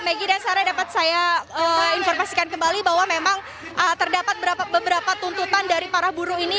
maggie dan sarah dapat saya informasikan kembali bahwa memang terdapat beberapa tuntutan dari para buruh ini